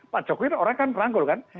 pak jokowi itu orang yang kan merangkul kan